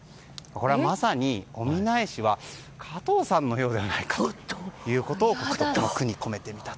これはまさにオミナエシは加藤さんのようではないかということを歌に込めてみました。